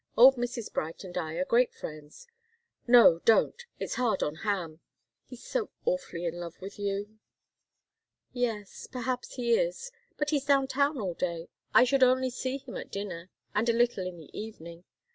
Old Mrs. Bright and I are great friends." "No don't! It's hard on Ham. He's so awfully in love with you." "Yes perhaps he is. But he's down town all day I should only see him at dinner, and a little in the evening."